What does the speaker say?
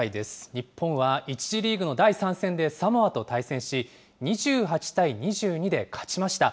日本は１次リーグの第３戦でサモアと対戦し、２８対２２で勝ちました。